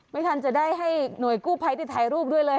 ไม่ทันจะได้ให้หน่วยกู้ภัยได้ถ่ายรูปด้วยเลย